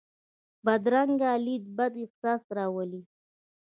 بدرنګه لید بد احساس راولي